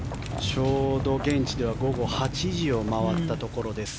ちょうど現地では午後８時を回ったところです。